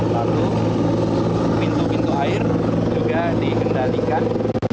lalu pintu pintu air juga dikendalikan